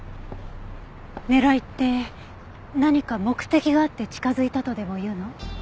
狙いって何か目的があって近づいたとでもいうの？